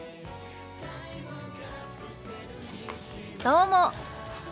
どうも。